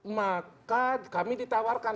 maka kami ditawarkan